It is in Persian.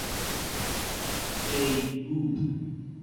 غیب گو